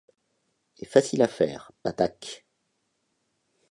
Et facile à faire, Patak.